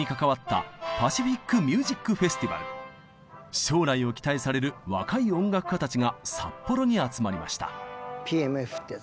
将来を期待される若い音楽家たちが札幌に集まりました。